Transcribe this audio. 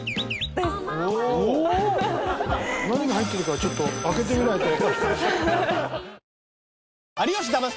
何が入ってるかはちょっと開けてみないと。